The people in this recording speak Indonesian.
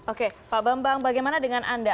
oke pak bambang bagaimana dengan anda